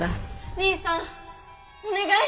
兄さんお願い！